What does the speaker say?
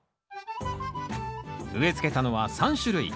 植えつけたのは３種類。